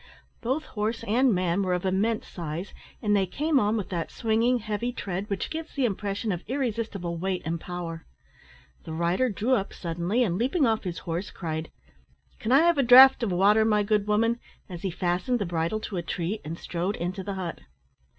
Both horse and man were of immense size, and they came on with that swinging, heavy tread, which gives the impression of irresistible weight and power. The rider drew up suddenly, and, leaping off his horse, cried, "Can I have a draught of water, my good woman?" as he fastened the bridle to a tree, and strode into the hut.